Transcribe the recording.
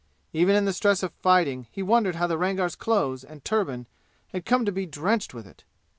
Even in the stress of fighting be wondered how the Rangar's clothes and turban had come to be drenched in it.